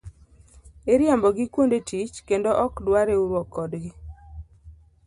Iriembo gi kuonde tich kendo ok dwa riwruok kodgi.